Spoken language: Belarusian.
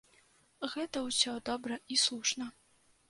Гэта ўсё добра і слушна.